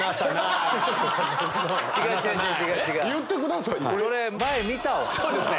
言ってくださいよ。